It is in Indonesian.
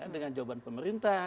dengan jawaban pemerintah